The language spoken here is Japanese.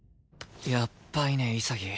やっばいね潔。